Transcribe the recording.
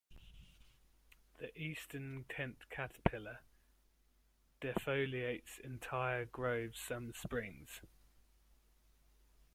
The eastern tent caterpillar defoliates entire groves some springs.